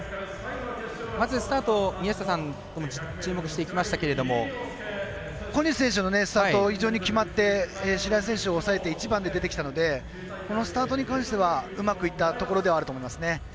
まずはスタート宮下さん注目していきましたけれども小西選手のスタート非常に決まって白井選手を抑えて１番で出てきたのでスタートに関してはうまくいったところではあると思いますね。